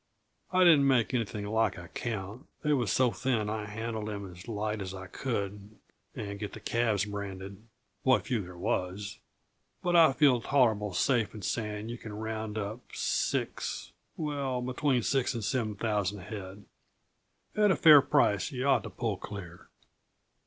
I didn't make anything like a count; they was so thin I handled 'em as light as I could and get the calves branded what few there was. But I feel tolerable safe in saying you can round up six well, between six and seven thousand head. At a fair price yuh ought to pull clear."